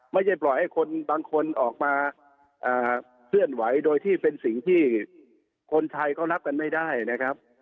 ไม่ใช่ปล่อยให้คนบางคนออกมาเคลื่อนไหวโดยที่เป็นสิ่งที่คนไทยเขานับกันไม่ได้นะครับ